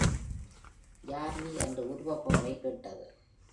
யார் நீ?என்று உருவ பொம்மை கேட்டது.